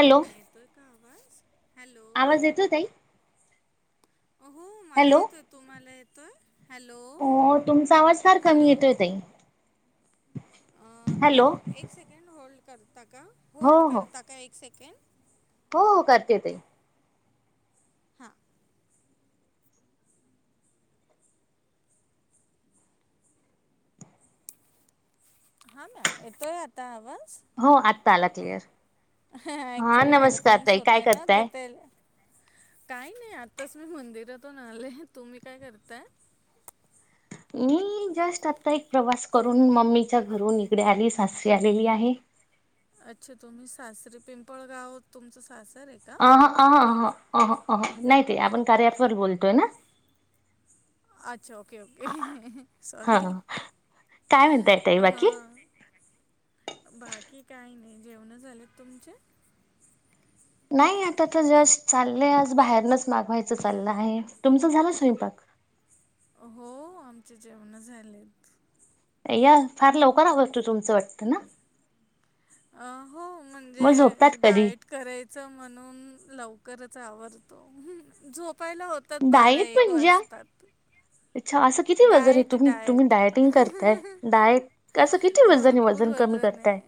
Hello, येतोय का आवाज हॅलो, आवाज येतोय ताई हो मला येतो तुम्हाला तर अ तुमचा आवाज फार कमी येतोय ताई अ हॅलो एक एक सेकंड होल्ड कर हो होल्ड हो करता काय एक सेकंड कन हो हो करते ते हा हा मॅम येतोय आता आवाज र ऍक्च्युली हेडफोन्स काय होते ना करताय तर ते काही नाही आताच मी मंदिरातून आले तुम्ही काय करताय. मी जस्ट आता एक प्रवास करून मम्मीच्या घरून इकडे आली सासरी आलेली आहे. अच्छा तुम्ही सासरी पिंपळगावत तुमच सासरी ह हा आ हा ह ह नाही. ते आपण कार्याअँप वर बोलतोय ना अच्छा ओके ओके सॉरी हा काय म्हणताय ताई हा बाकी बाकी काय नाही. जेवणं झालेत तुमचे नाही आता तर जस्ट चाललेय आज बाहेरनच मागवायचं चाललं आहे तुमचं झालं स्वयंपाक हो आमचे जेवण झालेत. अय्या फार लवकर आवर अ हो मग झोपतात म्हणजे कधी? डायट करायचं म्हणून लवकरच आवरतो झोप पहिला होतात बारा डाएट एक म्हणजे वाजतात. अच्छा असं किती वजन आहे डाएट तुम्ही तुम्ही डाएट डायटिंग करताय डायट असं किती वजन आहे भरपूर वजन कमी करताय आहे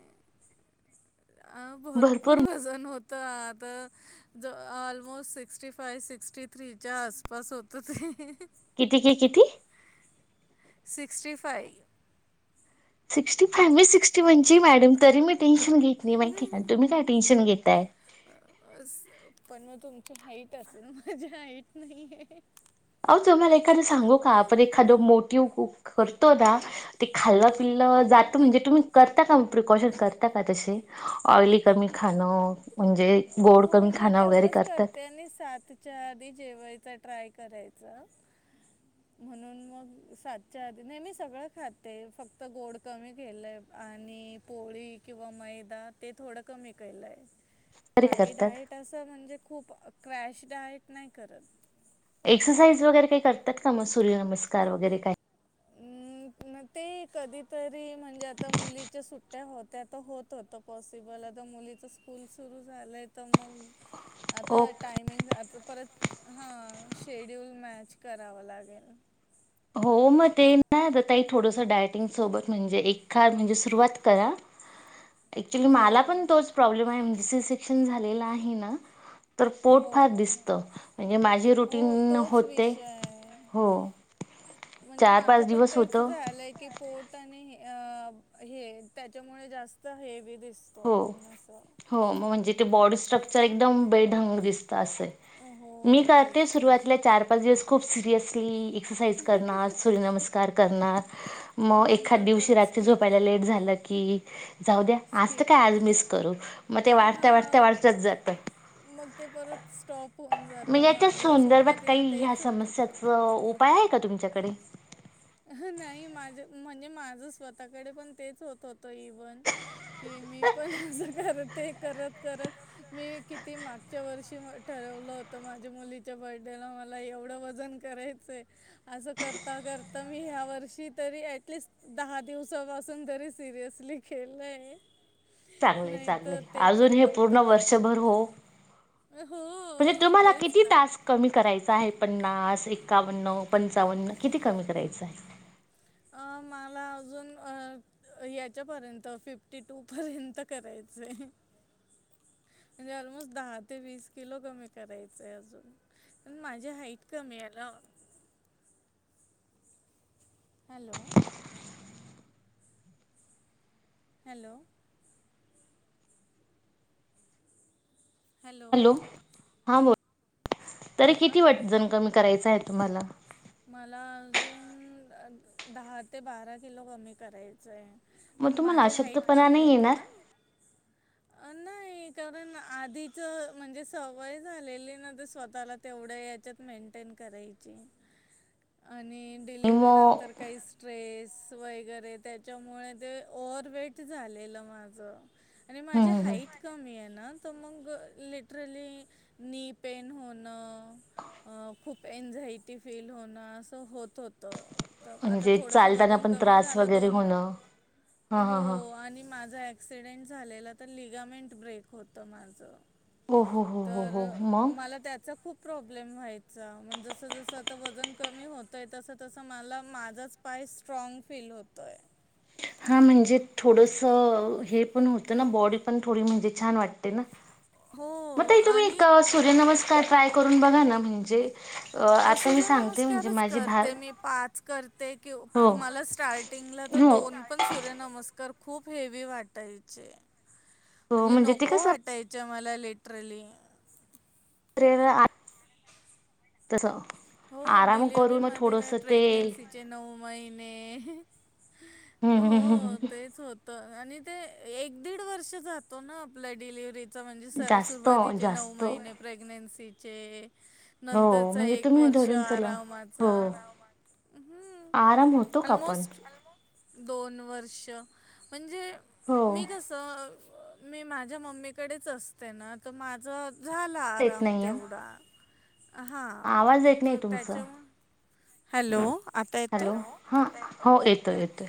भरपूर तर आता ज ऑलमोस्ट सिक्स्टी फाय सिक्स्टी थ्रीच्या आसपास होतं ते किती कि किती? Sixty five. सिक्स्टी फा मी सिक्स्टी वनची मॅडम तरी मीटिंग घेतली माहिती का. तुम्ही काय टेनशन घेत तय. पण मग तुमची हाईट असेल, माझी हाईट नाही आहे. अह त मला एखादं सांगू का आपण एखाद मोटव करतो ना ते खाल् पिल्लं हो जाता म्हणजेुम् करता का, प्रिकॉशन करता का तसे? ऑइली कमी खाणं म्हणजे गोड हो कमी खाण वगैरे करतात. च्या आधी जेवायच ट्राय करायच म्हणून मग सातच्या आधी नाही मी सगळं खाते फक्त गोड कमी केलंय आणि पोळी किंवा मैदा ते थोडं कमी केलंय. तरी करतात. म्हणजे खूप क्रॅश डायट नाही करत. एक्सरसाइज वगैरे काही करतात का मग सूर्य नमस्कार वगैरे काही अं, ते कधीतरी म्हणजे आता मुलीच्या सुट्ट्या होत्या आता होत होतं पॉसिबल आता मुलीचं स्कूल सुरू झालंय तर मग आता ओक टायमिंग आता परत हा शेड्यूल मॅच करावं लागेल. हो मग ते ना आताई थोडसं डायटिंग सोबत म्हणजे एख म्हणजे सुरुवात करा ऍक्च्युली हो मला पण तोच प्रॉब्लेम आहे मिस इस शिकषण झा आहे ना. तर पोट हो फार हो दिसत म्हणजे माझे हो रुटीन तोच होते विषय आहे हो. म्हणजे चार माझं पाच पण दिवस तेच होतं झालंय की पोट आणि त्याच्यामुळे जास्त हे हो हो म्हणजे बॉडी स्ट्रक्चर एकदम हो दिस् मी हो तेच करते तेच सुरुवातीला चार पाच दिवस खूप ली. एक्सरसाइज करणार, सूर्यनमस्कार करणार आणि मग एखाद्या नंतर दिवशी परत रात्री स्किप झोपायला लेट झालं की जाऊदे. आज तर स्किप काय आज होतं मिस करू मग ते वाढत्या वाढत्या हां वाढतच जात मग ते परत स्टॉप होऊन मग जातं याच्या माझंही संदर्भात सुरुवातीला काही ह्या तेच होत होतं समस्याचा उपाय आहे का तुमच्या कडे? नाही माझ म्हणजे माझ स्वतःकडे पण तेच होत हो इव्हन कि मी पण असं करते. करत करत मी किती मागच्या वर्षी म ठरवलं होतं माझ्या मुलीच्या बर्डेला मला एवढं वजन करायचं आहे असं करता कर आता मी ह्या वर्षी तरी ऍटलिस्ट दहा दिवसापासून तरी सिरियसली खलंय. चांगलं चांगलंय अजून हे पूर्ण होत वर्षभर हो म्हणजे हो तुम्हाला तेच किती ना तास कमी करायचा आहे? पन्नास, एकावन्न, पंचावन्न किती कमी करायचं आहे. अ मला अजून अ याच्या पर्यंत फिफ्टी टू पर्यंत करायचंय म्हणजे, ऑलमोस्ट दहा ते वीस किलो कमी करायचय अजून पण माझी हाईट कमी आहेना. हॅलो. हॅलो. हॅलो, हां बो तरी हां किती मॅम वटजन कमी करायचा तुम्हाला? मला अजून दहा ते बारा किलो कमी करायचं आहे. आणि मग तुम्हाला माझी हाईट अशक्तपणा कमी नाही येते येणार ना. नाही कारण आधीच म्हणजे, सवय झालेली ना तर स्वतःला तेवढ्या याच्यात मेंटेन करायची. आणि आणि मग डिलिवर्हरीनंतर काही स्ट्रेस [unintelligible] वगैरे त्याच्यामुळे ते ओव्हरवेट झालेलं माझं. आणि हं, माझी हं, हं. हाईट कमी आहे ना. तर मग लिटरली नी पेन होणं खूप एनझाय टि फील होणं असं होत होतं. आता म्हणजे थोडस चालताना वजन पण कमी त्रास झालं वगैरे दोन, होणं हां हो हां हां आणि माझा एक्सिडेंट झालेलं तर लिगामेंट ब्रेक होतं माझं. ओ हो हो हो तर हो मग मला त्याचा खूप प्रॉब्लेम व्हायचा म्ह जस जस वजन कमी होतय तस तस मला माझच पाय स्ट्रांग फील होतोय‌ हा म्हणजे, थोडस हे पण होतं ना बॉडी पण थोडी म्हणजे, छान वाटते ना. मग हो तई तुम्ही एक आणि सूर्यनमस्क का ट्राय करून बघा ना म्हणजे अ आता मी सूर्य सांगते म्हणजे नमस्कारच माझी भा करते, मी पाच करते. [unintelligible] हो तुम्हाला स्टार्टिंगला तर हो दोन पण सूर्य नमस्कार खूप हेवी वाटायचे. हो म्हणजे, ते नको कसं वाटायच्या. मला लिटरली. [unintelligible] तस. हो, डिलिवर्ही मध्ये काय प्रेग्नेन्सीचे नऊ महिने. हम्म हम्म हो हम्म. तेच होतं आणि ते एक दीड वर्ष जातो ना आपल्या डिलिव्हरीत. म्हणजे, जास्त सुरुवातीचे नऊ जास्त महिने प्रेग्नन्सी. [unintelligible] हो, म्हणजे तुम्ही तशा धरून चला हो आरामाचं आराम होतो का पण अलमोस्ट दोन वर्ष म्हणजे हो मी कसं मी माझ्या मम्मीकडेच असते, ना तर माझं झाला, येत आराम नाहीये तेवढा ह हा आवाज येत नाही तो तुमचा त्याच्याहून हॅलो! आता येतोय हॅलो! हा हो येतोय येतोय.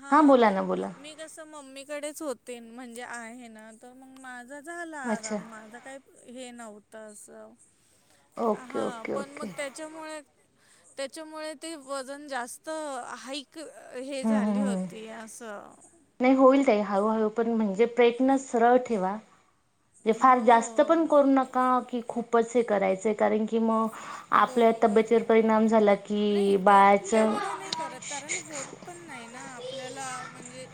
हा हां बोला ना बोला मी कसं मम्मीकडेच होत ते म्हणजे, आह, ना तर मग माझं झाला अच्छा आराम माझा काही हे नव्हतं तस ओके हा ओके पण ओके मग त्याच्यामुळे त्याच्यामुळे ते वजन जास्त हा हे हम्म झाली हम्म हम्म होती असं हा. नाही होईल, ताई हळूहळू पण म्हणजे, प्रयत्न सरळ ठेवा. म्हणजे फार जास्त हो पण करू नका की खूपच हे करायचं आहे कारण, की मग आपल्या बरोबर तब्येतीवर परिणाम झाला आहे नाही की ते बाळाचं तेवढं नाही, करत कारण होत पण नाही ना आपल्याला म्हणजे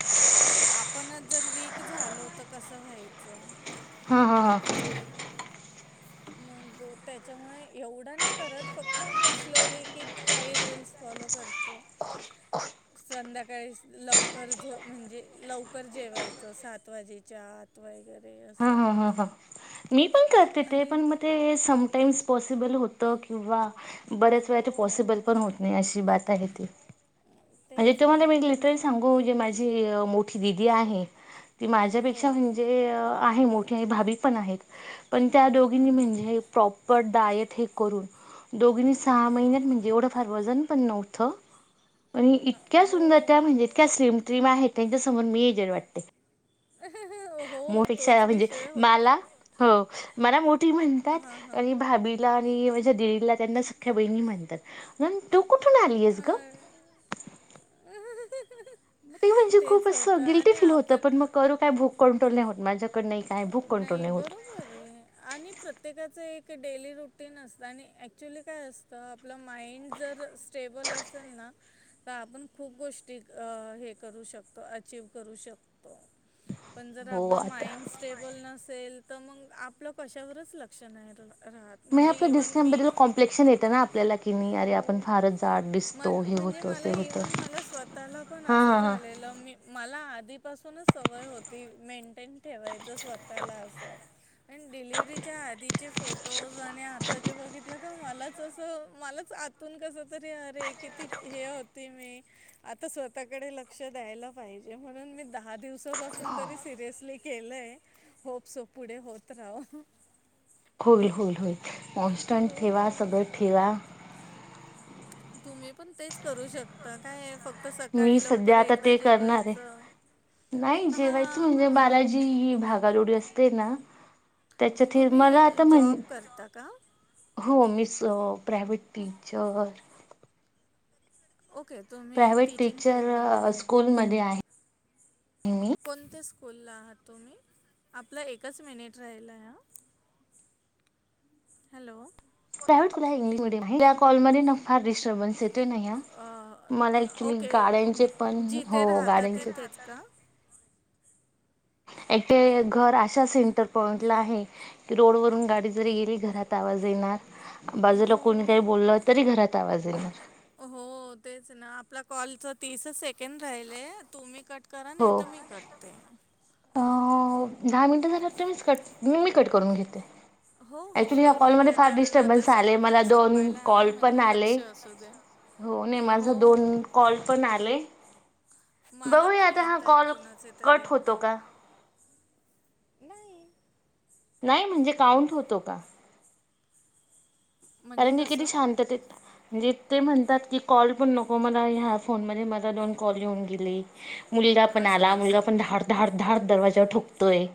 आपणच जर वीक झालो, तर कसं व्हायचं? हा हा हा. मग त्याच्यामुळे एवढा नाही, करत फक्त हा स्लोली कि काही रूल्स फॉलो करतो संध्याकाळी लवकर झोप म्हणजे, लवकर जेवायचं सात वाजेच्या आत वगैरे असं हा हा हा. मी पण करते, ते आणि पण मग ते समटाईम्स पॉसिबल होतं किंवा बऱ्याच वेळा ते हो पॉसिबल पण होत नाही, अशी बात आहे ती म्हणजे तेच ना तुम्हाला मी लिट्रली सांगू जे माझे मोठी दिदी आहे ती हो माझ्यापेक्षा म्हणजे आहे. मोठी भाभी पण आहेत. पण त्या दोघींनी हम्म, हम्म. म्हणजे प्रॉपर डाएट [unintelligible] करून दोघीनी सहा महिन्यात म्हणजे एवढं फार वजन पण नव्हथ. आणि अ- इतक्या हो सुंदर त्या म्हणजे इतक्या स्लिम ट्रीम आहेत त्यांच्या समोर मी एजेड वाटते. हो [unintelligible] तोच म्हणजे विषय होतो मला हो मला मो ती हां म्हणतात हां आणि भाभीला ती माझ्या दिदीला त्यांना सख्या बहिणी म्हणतात, म्हणून तु कुठून आलीयस ग? अं, ते म्हणजे खूप तेच होतं असं गिल्टी आणि फील होतं पण आपण मग करू काय भूक कंट्रोल नाही होत. माझ्याकडं नाई नाही बरोबरए आहे आणि प्रत्येकाच एक ते डेली रुटीन असतं आणि ॲक्च्युली काय असतं, आपलं माइंड जर स्टेबल असेल ना तर आपण खूप गोष्टी अ हे करू शकतो अचीव करू शक पण जर हो आपला आता माइंड स नसेल तर मग आपलं कशावरच लक्ष नाही रहा नाही आपल्या दिसण्याबद्दल कॉम्प्लेक्शन येतं ना आपल्याला कि, मी अरे आपण हो. फारच जाड म दिसतो हे म्हणजे होत मला ते होत इव्हन मला स्वतःला हा हा. धी पासूनच सवय होती मेंटेन ठेव तर स्वतःला अस अन डिलिव्हरीच्या आधीचे फोटोज आणि आताचे बघितलं का मला जसं मलाच आतून कसं तरी अरे किती हे होते मी आता स्वतःकडे लक्ष द्यायला पाहिजे, म्हणून मी दहा दिवसापासून तरी सिरियसली केलय होप सो पुढे होत रावो. होईल होईल होईल. कॉन्स्टंट ठेवा हो. सगळं ठेवा तुम्ही पण तेच करू शकता काय ए फक मी सध्या आता ते करणार आहे नाही जेवायच हां म्हणजे [unintelligible] ही भागादोडी असते ते ना त्याच्यात हे तुम्ही मला आता म्हण जॉब करता का? हो मी स प्रायव्हेट टीचर ओके तुम्ही प्रायव्हेट टीचिंग टीचर स्कूलमध्ये आहे. मी कोणते स बोलला आहात तूमी आपलं एकच मिनिट राहिलय हं. हॅलो. [unintelligible] त्या कॉल मध्येन फार डिस्टर्बन्स येत ते नाही हं अ, मला ऍक्च्युली ओके गाडयांचे पण हो जिथे राहता गाडयांचे तिथेच का एक्सिजेट घर अशा सेंटर पॉइंटला आहे की येथे घर येथे घर अशा सेंटर पॉइंटला आहे की, रोडवरून गाडी जरी गेली घरात आवाज येणार, बाजूला हो कोणी काही बोललं तरी घरात आवाज येणार. हो तेच ना आपला कॉलचं तीसच सेकंड राहिलय तुम्ही कट करा नाही हो तर मी करते. अ दहा मिनिटं झाल्या तर मीच कट मी मी कट करून घेते. हो हो एक्चुली या करून कॉलमध्ये घ्या फार कारण आता डिस्टर्बन्स आले संपण्या मला दोन संपायला आलाय कॉल पण म्हणजे आले, लक्ष असू द्या. हो नाही माझ हो दोन कॉल पण आले मला बघूया पण आता यां येत आहेत कॉल कुणाचे कट तरी. होतो का? नाही. नाही म्हणजे काउंट होतो का? म्हणजे कारण की किती कसं? शांततेत म्हणजे ते म्हणतात की कॉल पण नको मला ह्या फोनमध्ये मला दोन कॉल येऊन गेले. मुलगा पण असं आला मुलगा कसं? पण धाड धाड धाड दरवाजावर ठोकतोय.